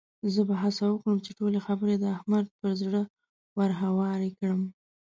زه به هڅه وکړم چې ټولې خبرې د احمد پر زړه ورهوارې کړم.